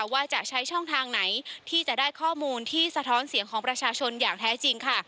ว่าจะใช้ช่องทางไหนที่จะได้ข้อมูลที่สะท้อนเสียงของประชาชนอย่างแท้จริงค่ะ